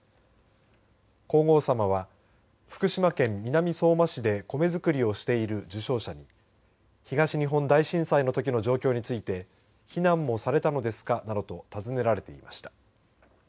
皇后さまは福島県南相馬市で米作りをしている受賞者に東日本大震災のときの状況について避難もされたのですかなどと尋ねられていました。